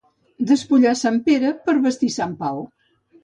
Despullar sant Pere per vestir sant Pau.